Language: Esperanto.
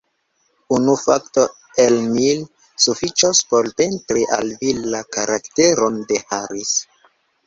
Unu fakto, el mil, sufiĉos por pentri al vi la karakteron de Harris.